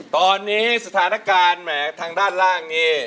ตอนนี้สถานการณ์แหมทางด้านล่างนี่